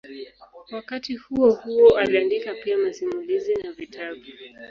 Wakati huohuo aliandika pia masimulizi na vitabu.